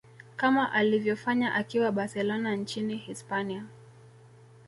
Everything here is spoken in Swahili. kama alivyofanya akiwa barcelona nchini hispania